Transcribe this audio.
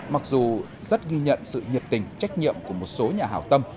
mặc dù rất ghi nhận sự nhiệt tình trách nhiệm của một số nhà hào tâm